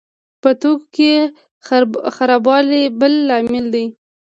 په توکو کې خرابوالی بل لامل دی.